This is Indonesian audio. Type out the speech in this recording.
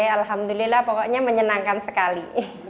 alhamdulillah pokoknya menyenangkan sekali